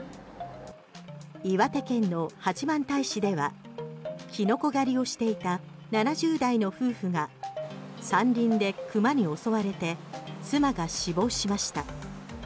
岩手県の八幡平市ではキノコ狩りをしていた７０代の夫婦が山林で熊に襲われて妻が死亡しました。